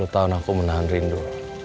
sepuluh tahun aku menahan rindu